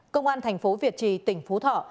công an thành phố việt trì tỉnh phú thọ